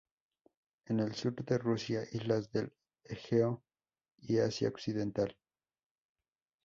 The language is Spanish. En el sur de Rusia, islas del Egeo y Asia Occidental.